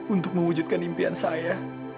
untuk mewujudkan impian saya